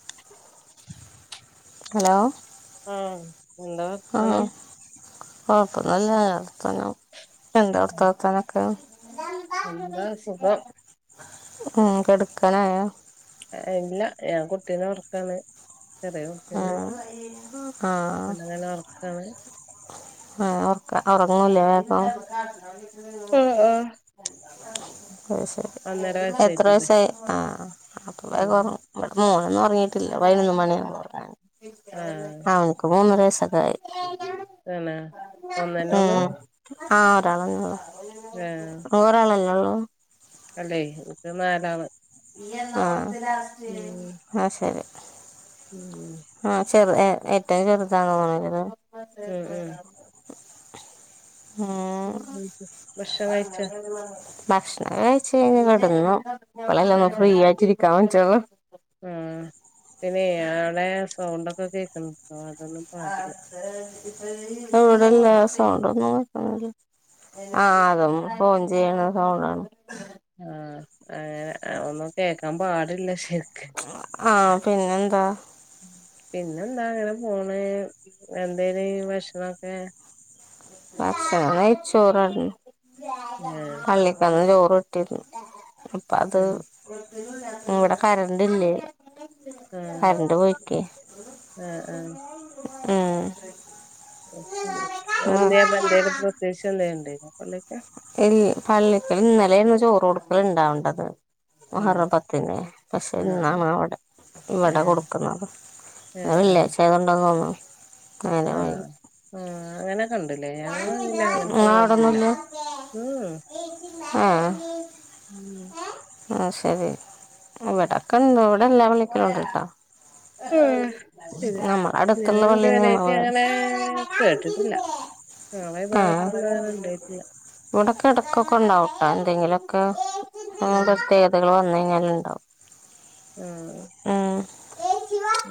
[inaudible] Hello ആഹ ആ [unintelligible] എന്താ അടുത്ത [inaudible] വക്കാനൊക്കെ എന്താ സുഖം ഉം കെടക്കാനാ യോ? ആ ഇല്ല ഞാൻ കുട്ടീനുറക്കാണ്. ചെറിയ കുട്ടിണ്ട് ആഹ് അല്ലങ്ങനെ ഒറക്കാണ്. ആഹ ഉറക്ക ഉറങ്ങൂല വേഗം. [inaudible] ആഹ് ആഹ് ആഹ [inaudible] അ ശരി ഒന്നര എത്ര വയസ്സായിട്ടൊള്ളു വയസായി ആ അപ്പ ഉം വേകറങ്ങു ന്നും ഉറങ്ങിട്ടില്ല പതിനൊന്നു മണിയാവും ആഹ് ആ അവനക്ക് [inaudible] മൂന്നരയസൊക്കെ ആയി തന്നെ ഒന്നന്നെ ഒള്ളൂ ഉം ആ ഒരാളന്ന ഓരാളല്ലേ ഉള്ളൂ [unintelligible] അല്ലെ ഇപ്പ നാലാള്. ആ ഉം ന്നാ ശെരി ഉം ഏ ഏറ്റവും ചെറുതാണോ [unintelligible] ഉം ഉം ആ [inaudible] ഉം ഭക്ഷണം കഴിച്ചോ ഭക്ഷണം കയ്ച്ചയ്ഞ് കെടന്നു ഇപ്പളല്ലൊന്ന് ഫ്രീയായിട്ടിരിക്കാ പറ്റൊള്ളു ആ പിന്നെ യാളെ സൗണ്ടൊക്കെ കേക്ക്‌ണ്ട് അത് ഇവടല്ല സൗണ്ടൊന്നും കേക്ക്ന്നില്ല ആ അതും ഫോൺ ചെയ്യ്ണ സൗണ്ടാണ് ആ അങ്ങനെ ഒന്നും കേക്കാൻ പാടില്ല ശെ ആ പിന്നെന്താ പിന്നെന്താ അങ്ങനെ പോണ് എന്തെനി ഭഷണംക്കെ? ഭക്ഷണം നൈയ്ച്ചോറാണ് ആ പള്ളിക്കന്ന് ചോറ് [unintelligible] ഇപ്പ അത് ആ ഇവിടെ കരണ്ടില്ലെ ഏഹ് ഏഹ് ഏഹ് ഏഹ് അഹ്ന്തെ എന്ത്യേലും ഉദ്ദേഷം എന്തേം ഇണ്ടായ്ര്ന്നോ പള്ളിക്കെ ൽ പള്ളിക്കെ ഇന്നലെണ് ചോറ് കൊടുക്കല് ഇണ്ടാവണ്ടത് ആ മുഹറം പത്തിന് പക്ഷെ ആ ഇന്നാണ് ആ അവിടെ ആ ഇവിടെ കൊടുക്കുന്നത് ഇന്ന് വെള്ളി ആയ്ച്ച ആയതോണ്ട തോന്ന്ണു ആഹ് ആഹ് അങ്ങനെക്കെ ണ്ട്ലെ ഞങ്ങളെതീല് അങ്ങൻത്തെ നിങ്ങൾ അവിടെ തോന്നും ഇല്ല ഉം ഉം ആഹ് ആഹ് ശെരി ഇവിടക്കെ ഇങ്ങളോടെ എല്ലാ പള്ളിക്കലും ഇണ്ട്ട്ടൊ ആഹ് ശെരി ഞാന് ഇത് പള്ളിയിൽ നിന്ന് വരായിട്ട് നമ്മൾ അങ്ങനെ മേടിച്ചു കേട്ടിട്ടില്ല ഞങ്ങളെ ഈ ആഹ് ഭാഗത്തൊന്നും അങ്ങനെ ഉണ്ടായിട്ടില്ല ഇവിടെക്കെ എടക്കൊക്കെ ഇണ്ടാവുട്ടോ എന്തെങ്കിലുക്കെ ആ പ്രത്യേകതകൾ വന്ന് ക എല്ലണ്ടാവും ഉം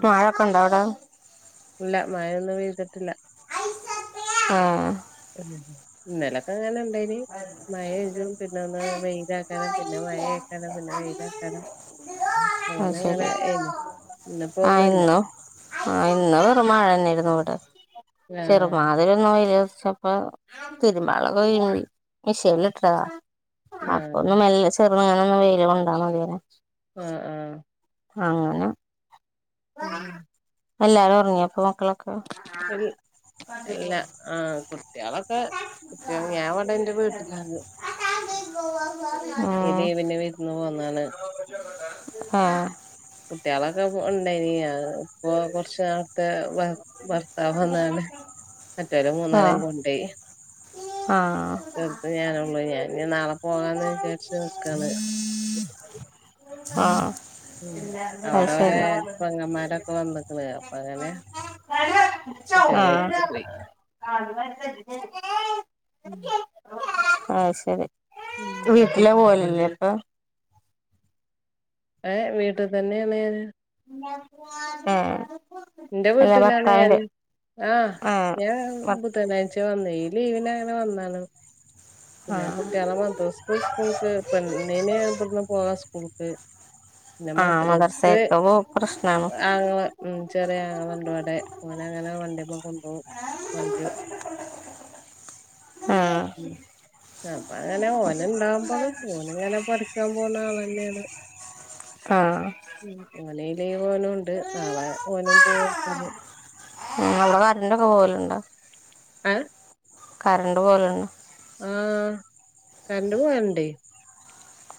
മഴക്കെ ഇണ്ടോ അവിടെ ഇല്ല മഴ ഇന്ന് പെയ്തിട്ടില്ല ആഹ് ഇന്നലെക്കെ ഇങ്ങനെ മഴണ്ടെയ്ന മഴജും പിന്നെ ഒന്ന് വെയിലാക്കാരം പിന്നെ മഴ ആക്കാരം പിന്നെ വെയിലാക്കാരം അത് അങ്ങനെ ശരി അങ്ങനെ ഏനു ഇന്ന്പ്പോ ഒന്നുല്ല ആഹ് ഇന്ന് വെറും മഴന്നേണ് എവ്ടെ ആഹ് ചെറുമാതിരി ഒന്ന് വെയിലർചപ്പോ തിരുമ്പാളൊക്കെ [unintelligible] മിഷീൻൽ ഇട്ടതാ ആഹ് അപ്പൊന്ന് മെല്ലെ ചെർങ്ങനെന്ന് വെയിൽ കൊണ്ടാമതില്ലോ ആഹ് ആഹ് അങ്ങനം ഉം എല്ലാരോർങ്യോ പ്പൊ മക്കളൊക്കെ ഇൽ ഇല്ല ആഹ് കുട്ട്യാളൊക്കെ കുട്ട്യാള് ഞാൻ ഇവടെ ഇ ഉം ദേവിന്റെ വീട്ടിന്ന് പോന്നാണ് ആഹ് വഅഒക്കെ വു ഉണ്ടായിനി ഇപ്പൊ കുറചേർത്തെ ഭർത്താവ് വന്നാണ് മറ്റോരെ മൂന്നാളേം ആഹ് കൊണ്ടയി ആഹ് [unintelligible] ഞാനുള്ളഞ് ഞാ ഞ്ഞി നാളെ പോആന്ന് വിചാരിച്ച് നിക്കാണ് ആഹ് അത് അവിടെ ഓലെ ശരി പൊങ്ങന്മാരൊക്കെ വന്നിക്ക്‌ ണ് അപ്പ അങ്ങനെ ആഹ് കുട്ടികളായിട്ട് പോയി ഉം ആഹ ശരി വീട്ടിലേ പോവലി ല്ലേ അപ്പൊ ഏ വീട്ട് തന്നെയാണ് ഞാൻ ആഹ എന്റെ വീട്ടിലാണ് ഞാൻ ആഹ ആഹ് ഞാൻ മ ബുധനാഴ്ച വന്ന ഈ ലീവന ഞാൻ വന്നാലോ പിന്നെ ആഹ് കുട്ടിയാള മദ്രസ സ്കൂൾക്ക് പെണ്ണിന്ഇബിടുന്നും പോകാം സ്കൂൾക്ക് പിന്നെ ആഹ് മദ്രസ്ക് മദർസേക്ക് പോക്ക് പ്രശ്നാണ് ആങ്ങള ചെറിയ ആങ്ങള ണ്ട അടെ അനെ അങ്ങനെ വണ്ടിപ്പം കൊണ്ടോവും കൊണ്ടരും അ ആഹ് ചെലപ്പോ ങ്ങനെ ഓൻ ഇണ്ടാവുമ്പോ ഓന ഇങ്ങനെ പഠിക്കാൻ പോവുന്നആളന്നെണ് ആഹ് ഈ ലീവ് ഓൻ ഇണ്ട് നാളെ ഓൻ പോവും അവടെ കറന്റ് പോവലുണ്ടോ? ആ കറണ്ട് പോവലുണ്ടോ ആഹ കറന്റ് പോവലുണ്ട്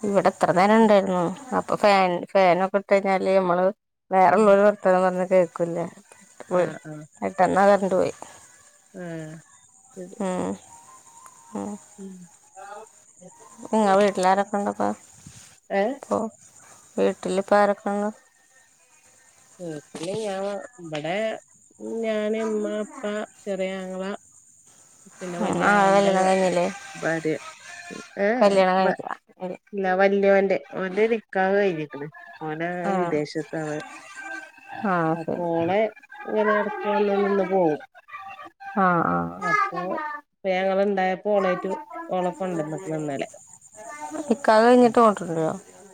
ഇവിടെ ഇത്ര നേരം ണ്ടായിരുന്നു അപ്പൊ ഫാൻ ഫാനൊക്കെ ഇട്ട കഴിഞ്ഞാല് മ്മള് ഉം വേറെള്ളൊരു വർത്താനം പറഞ്ഞ കേൾക്കുലെ പെട്ടെന്നാ കറണ്ട് പോയി ആ ശരി ഉം ഉം ഇങ്ങ വീട്ടിലാരൊക്കെ ഇണ്ടക്ക [unintelligible] ഏ വീട്ടില് ഇപ്പൊ ആരൊക്ക ഇണ്ട് ഇവിടെ ഞാൻ ഇവിടെ ഞാൻ ഇമ്മ അപ്പ ചെറിയ ആങ്ങള പിന്നെ വലിയ ആഹ് ആങളന്റെ കല്യാണം കഴിഞ്ഞില്ലേ ഭാര്യ ഏ കല്യാണം കഴി ഇല്ല വലിയൊന്റെ ഓന്റെ നിക്കാഹ്‌ കഴിഞ്ഞിക്കണ് ഓൻ ആഹ് വിദേശത്ത ആഹ് ശരി അപ്പോളെ ഇങ്ങനെ ഇടക്ക് വന്ന് നിന്ന് പോകവും ആഹ ആഹ ഞങ്ങള്ണ്ടായപ്പോ ആഹ ഓളേറ്റ് ഓളെ കൊണ്ടന്ന്ക്ക്ണ് ഇന്നലെ കല കഴിട്ട് പോണ്ടിട്ടുണ്ടല്ലോ [unintelligible]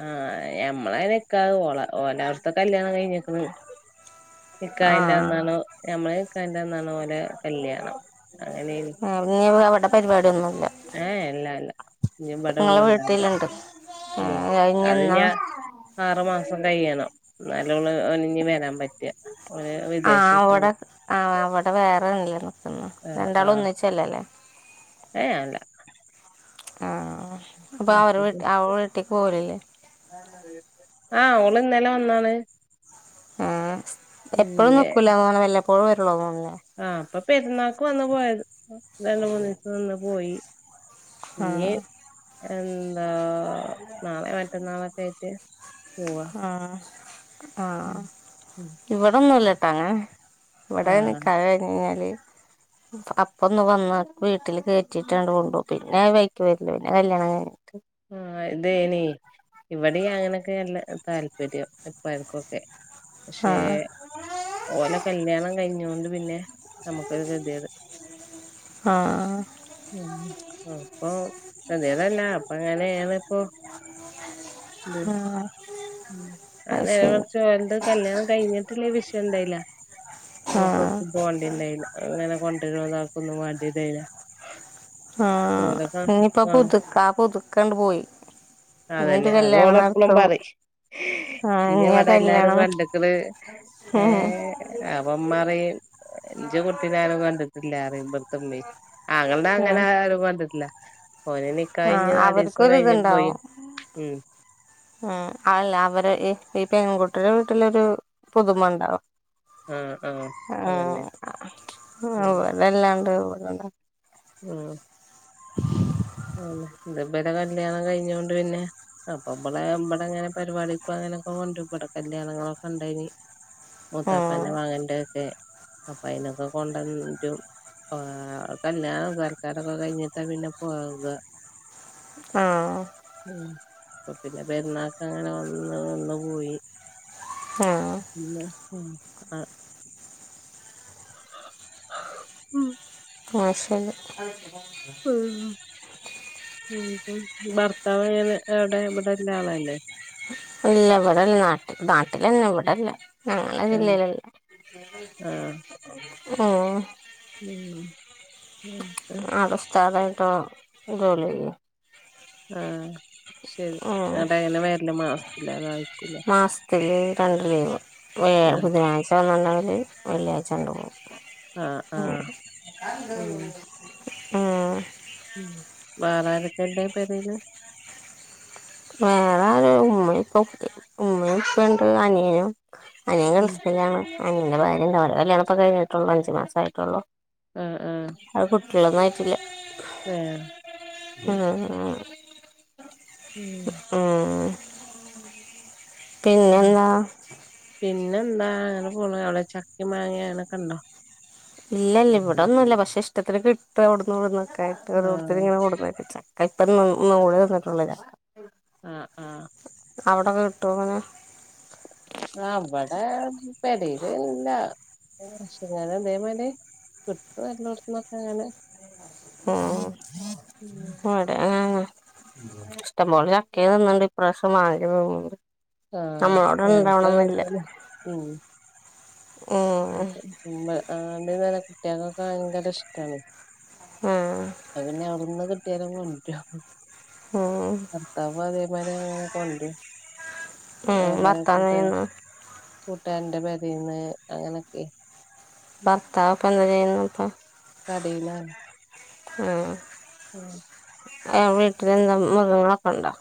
ആഹ ഞമ്മളെ നിക്കാഹ് ഓളെ ഓലെ അവിടുത്തെ കല്യാണം കഴിഞ്ഞക്കുന്നു നിക്കാഹിന്റെ ആഹ് അന്നാണോ ഞമ്മളെ നിക്കാഹിന്റെ അന്നാണോ കല്യാണം അങ്ങനെ ആയിനൂ പരിപാടി ഒന്നും ഏ അല്ലാ അല്ല ഇനി എവിടെ ഒള്ളൂ ഇങ്ങളെ ഉണ്ടാവാ വീട്ടില്ണ്ട് ഉ ഏഹ് അത് കഴിഞ്ഞെന്നാ ഞാ ആറു മാസം സം കഴിയ്യണം എന്നാല്ഓൾ ഓൻ വരാൻ പറ്റി ആഹ അവിടെ ആ അവിടെ വേറെണല്ലേ നക്കുന്നു രണ്ടാള ഒന്നിച്ചല്ലല്ലേ ഏ അല്ല ആഹ അപ്പൊ ആഹ് അവര് വ അപ്പ അവ വീട്ടിക്ക് പോലല്ലേ ആഹ് ഓള് ഇന്നലെ വന്നാണ് ആ എപ്പോഴും നിക്കുലെ വല്ലപ്പോഴും വരുള്ളൂോ ആഹ അപ്പൊ പെരുന്നാക്ക് വന്ന പോയത് രണ്ട് മൂന്ന് ദിവസം നിന്ന് പോയി ഇഞ്ഞ് ആഹ എന്താ നാളെ മറ്റന്നാളൊക്കെ ആയിട്ട് പോവാ ആഹ ഉം ആഹ ഉം ഇവിടൊന്നുംല്ലട്ടാങ്ങ ഇവിടെ ആഹ് നിക്കാഹ് കഴിഞ്ഞാല് അപ്പൊന്ന് വന്ന വീട്ടില് കേറ്റിട്ട്ണ്ട് കൊണ്ടുപോ പിന്നെ വൈക്ക് വല്ല പിന്നെ കല്യാണം കഴിഞ്ഞിട്ട് ആ അതേ നീ ഇവിടെ അങ്ങനൊക്കെ നല്ല താല്പര്യം ഇപ്പർക്കൊക്കെ പക്ഷേ ആഹ് ഓലെ കല്യാണം കഴിഞ്ഞൊണ്ട് പിന്നെ നമുക്കൊരു കേതേട് ആഹ് ഉ അപ്പൊ കേതേടല്ല അ അങ്ങനെയെയാണ് ഇപ്പൊ ഇത് ആഹ് അരെ അത് നേരം ശരി മറിച്ച് ഒലത് കല്യാണം കഴിഞ്ഞിട്ടില്ലേ വിഷയ ഇണ്ടായില്ല നമുക്ക് ആഹ് അവർക്കും പോകണ്ടിണ്ടല്ല അങ്ങനെ കൊണ്ടുവരു താകൊന്നും മാണ്ടില്ലനില്ല ആ ഇനിയിപ്പപ്പതുക്കപ്പൊ പുതുക്കണ്ട് പോയി അതന്നെ ഇനിയൊരു അതോള കല്യാണം എപ്പളും നടത്തും പറിം ആഹ് ഇനി ആ ഇവിടെ എല്ലാരും കല്യാണം കണ്ട്ക്ക്ണ്ഏർ ഉം അപ്പമ്മറിയും ഇഞ്ച കുട്ടീന ആരും കണ്ടിട്ടില്ല അറിയുംഇബട്ത്തമ്മ ആങ്ങളുടെ അങ്ങനെ ആരും കണ്ടിട്ടില്ല ഓന് നിക്കാഹ് ആ കഴിഞ്ഞ് നാലീസം അവർക്കൊരു കഴിഞ്ഞ് പോയി ഇതുണ്ടാവും ഉം ഉ അല്ല അവര് ഈ പെൺകുട്ടിയുടെ വീട്ടിലൊരു പുതുമ ഉണ്ടാവം ആഹ് ആഹ് ആ അതന്നെ ഉം ഇതല്ലാണ്ട് അല്ല മ് ഇബടെ കല്യാണം കഴിഞ്ഞൊണ്ട് പിന്നെ അപ്പൊ ഇബളെ ഇബടെ ങ്ങനെ പരിപാടിക്ക ഇങ്ങനൊക്കെ കൊണ്ടു ഇവിടെ കല്യാണങ്ങളൊക്കെ ഉണ്ടനീ ഉം മൂത്താപ്പന്റെ മകന്റെ ക്കെ അപ്പൊ അയിനൊക്കെ കൊണ്ടരും ആ കല്യാണം സൽക്കാരൊക്കെ കഴിഞ്ഞിട്ടാ പിന്നെ പോ വ്യ ആ പിന്നെ പെരുന്നാക്ക് അങ്ങനെ വന്ന് നിന്ന് പോയി ആഹ ഉ ആ ഉം ആ ശരി ഉം ഉം ഉ ഭർത്താവ്എങ്ങനെ എവിടെ ഇവിടെല്ല ആളല്ലേ എല്ല ഇവിടെല്ല നാട്ടിനാട്ടിലന്നെ ഇവിടെല്ല ങ്ങളെ ഏഹ് ജില്ലയിലല്ല ആഹ് ഹേ..... ഉം ഉം ആടെ ഉസ്താദായിട്ട് ജോലി ചെയ്യാ ആഹ ശരി അട ങ്ങനെ വരല് മാസത്തിലാണോ ആഴ്ചേ ലോ മാസത്തിൽ രണ്ട് ലീവ് ബുധനാഴ്ച വന്നുണ്ടെങ്കിൽ വെള്ള്യാഴ്ച്ചപോകും ആഹ് ആഹ് ഉം അ ആ വെറാരക്കണ്ട്പേരേല് വേറെ ആരാ ഉമ്മ ഇപ്പൊ ഉമ്മേ ഉപ്പേണ്ട് അനിയനും അനിയൻ ഉം ഗൾഫിലാണ് അനിയന്റെ ഭാര്യണ്ടവിടെ കല്യാണംപ്പ കഴിഞ്ഞിട്ടുള്ളു അഞ്ചു മാസായിട്ടുള്ളൂ ആഹ്ആഹ് ക്ളന്നായിട്ടില്ല ഉം ഉം ഉം പിന്നെ പിന്നെന്താ പിന്നെന്താ അങ്ങനെ പോണ് അവടെ ചക്കിം മാങ്ങിങ്ങനെക്കെണ്ടോ ഇല്ലല്ല ഇവിടെ ഒന്നും ഇല്ല പക്ഷെ ഇഷ്ടത്തിന് കിട്ടും അവിടന്ന് ഇവിടുന്നൊക്കെ ആയിട്ട് ഓരോര്ത്തര് ആഹ് ങ്ങനെ കൊട്ന്നെരും ച കൈപ്പന്നൂ ന്നുടെ തിന്നിട്ടുള്ള ഞാ ആഹ ആഹ അവിടോക്കെ കിട്ടോ ഇങ്ങനെ ആഹ് ഇവിടെ ആ [unintelligible] അതേ പോലെ കിട്ടും എല്ലോടത്തന്നൊക്കെങ്ങാനെ ഉ അടെ ആഹ ഇഷ്ടംപോലെ ചക്കയും തിന്നിട്ടുണ്ട് ഇപ്രാവശ്യം മാങ്ങയും തിന്നിട്ടുണ്ട് ആക്ക കണക്കനെ ഉ [unintelligible] ആ ഉം അതുകൊണ്ട് തന്നെ കുട്ടികൾക്കൊക്കെ ഭയങ്കര ഇഷ്ടാണ് ഉം അപ്പ പിന്നെ അവിടുന്ന് കുട്ടിയ കൊണ്ട് ഉം ര്യോഭർത്താവ് അതേമാര അങ്ങനെ കൊണ്ട് രും ഉ ഭർത്താവിനെന്ന് കൂട്ടുകാരന്റെ പേരേന്ന് അങ്ങനെയൊക്കെ ബർത്തവെപ്പങ്ങനെ നോക്ക ക ടീല്ല ആഹ ഉം വീട്ടിലെന്താ മൃഗങ്ങളൊക്കെണ്ടോ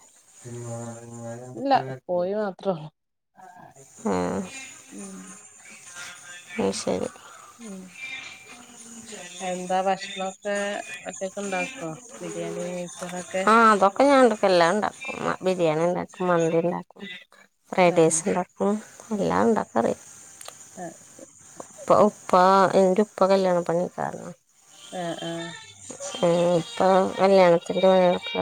ഇല്ല കോയി മാത്രള്ളു ആഹ ഉം അ ശരി ഉം എന്താ ഭക്ഷണൊക്കെ ഒറ്റക്ക് ഉണ്ടാക്കോ ബിരിയാണി നെയ്ച്ചോറൊക്കെ ആ അതൊക്കെ ഞാൻ ഇണ്ടാക്കലാണ്ട എല്ലാം ഉണ്ടാക്കും ബിരിയാണി ഉണ്ടാക്കും മന്തി ഉണ്ടാക്കും ആഹ് ഫ്രൈഡേസ് ഉണ്ടാക്കും എല്ലാം ഉണ്ടാക്കാറിയ ആഹ് ശരി പ്പ ഇപ്പ എന്ത് ഇപ്പ കല്യാണം പണിക്കാരണം ആഹ ഉഹ ആ ഇപ്പൊ കല്യാണത്തിന്റെറെ വളികൾക്ക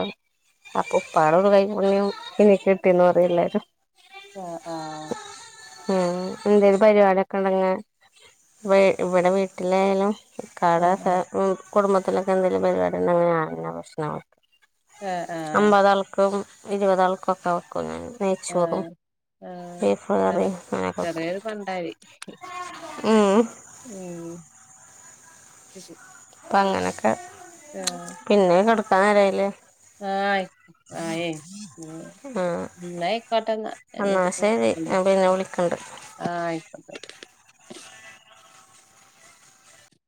അപ്പൊ ഇപ്പാട ഒരു കൈപ്പുണ്യം ഇനി കിട്ടിയന്ന് പറയുല്ലാരും ആഹ ആഹ ഉം എന്തേും പരിപാടൊക്കെ ഉണ്ടങ്ങാ ഇവിടെ വീട്ടിലായാലും ഈക്കാടെ ആഹ് കുടുംബത്തിലൊക്കെ എന്തെങ്കിലും പരിപാടി ഉണ്ടങ്ങനെയാ പ്രശ്നമായി ആഹ് ആഹ് അമ്പതാൾക്കും ഇരുപതാൾക്കും ഒക്കെ വയ്ക്കും ഞാൻ നെയ്ച്ചോറും ആഹ ബീഫ് അപ്പ കറിയും അങ്ങനൊക്കെ വെക്കും ചെറിയൊരു പണ്ടായി ഉം ഉം ശ അപ്പ അങ്ങനെയൊക്കെ പിന്നെ കെടുക്കാൻരയില്ലേ ആഹ ആായ ആ ആയിക്കോട്ടെന്നാ എന്നാ എന്നപ്പ ശരി ഞാൻ പിന്നെ വിളിക്കണ്ട് ആഹ ആയിക്കോട്ടെ